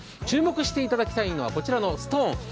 注目していただきたいのは、こちらのストーン。